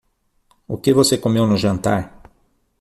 O que você comeu no jantar?